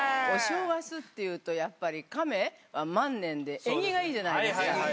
お正月っていうとやっぱりカメは万年で縁起がいいじゃないですか。